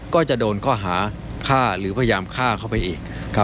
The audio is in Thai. ก็จะโดนข้อหาฆ่าหรือพยายามฆ่าเข้าไปอีก